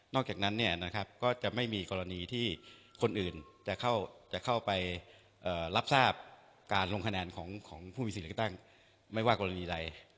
จากนั้นก็จะไม่มีกรณีที่คนอื่นจะเข้าไปรับทราบการลงคะแนนของผู้มีสิทธิ์เลือกตั้งไม่ว่ากรณีใด